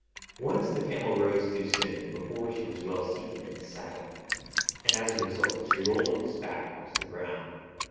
Once the camel rose too soon, before she was well seated in the saddle, and as a result she rolled off his back onto the ground.